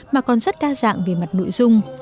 mà còn rất đa dạng về mặt nội dung